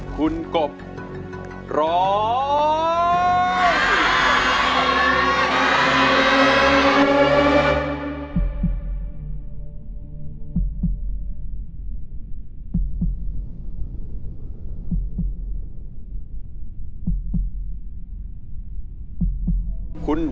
คุณกบร้อง